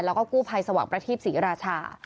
แล้วก็กู้ภัยสว่างประทีปศรีราชา